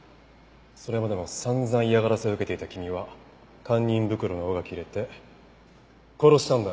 それまでも散々嫌がらせを受けていた君は堪忍袋の緒が切れて殺したんだろう？